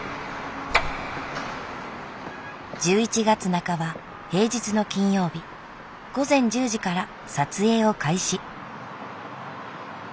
１１月半ば平日の金曜日午前１０時から撮影を開始。